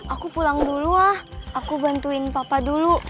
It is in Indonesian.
aku pulang dulu ah aku bantuin papa dulu